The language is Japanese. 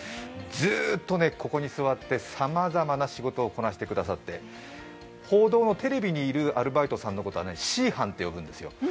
ずーっとこちらに座ってさまざまな仕事をこなしてくださって報道のテレビにいるアルバイトさんのことはＣ班って呼ぶんですよ。